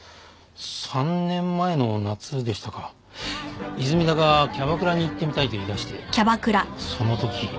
３年前の夏でしたか泉田がキャバクラに行ってみたいと言い出してその時。